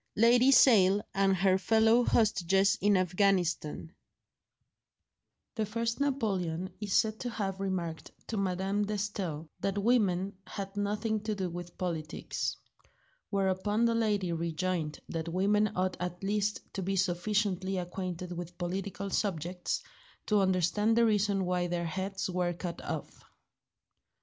XIII LADY SALE AND HER FELLOW HOSTAGES IN AFGHANISTAN THE first Napoleon is said to have remarked to Madame de Staël that women had nothing to do with politics; whereupon the lady rejoined that women ought at least to be sufficiently acquainted with political subjects to understand the reason why their heads were cut off.